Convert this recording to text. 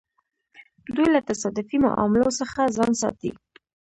دوی له تصادفي معاملو څخه ځان ساتي.